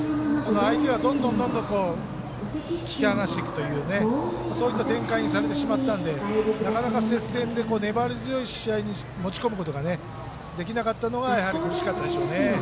相手がどんどん引き離していくそういった展開にされてしまったので、なかなか接戦で粘り強い試合に持ち込むことができなかったのは、やはり苦しかったでしょうね。